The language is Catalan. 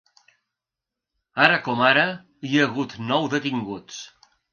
Ara com ara, hi ha hagut nou detinguts.